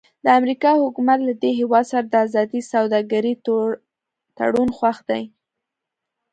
د امریکا حکومت له دې هېواد سره د ازادې سوداګرۍ تړون خوښ دی.